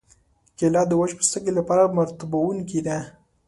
کېله د وچ پوستکي لپاره مرطوبوونکې ده.